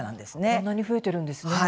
そんなに増えているんですね。